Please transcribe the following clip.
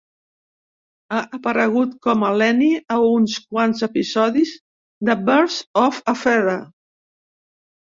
Ha aparegut com a Lenny a uns quants episodis de "Birds of a Feather".